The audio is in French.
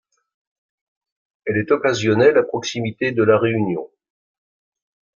Elle est occasionnelle à proximité de La Réunion.